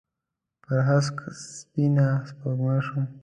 پر هسک سپینه سپوږمۍ شوم